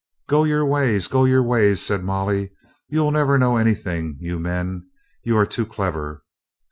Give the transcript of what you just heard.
"Go your ways, go your ways," said Molly. "You'll never know anything, you men. You are too clever."